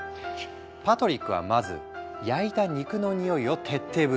パトリックはまず焼いた肉の匂いを徹底分析。